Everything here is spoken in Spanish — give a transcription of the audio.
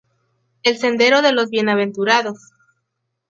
El sendero de los Bienaventurados.